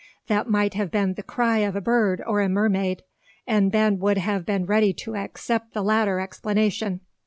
That might have been the cry of a bird, or a mermaid; and Ben would have been ready enough to accept the latter explanation.